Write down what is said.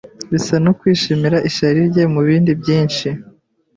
Bisa no kwishimira ishyari rye mubindi byinshi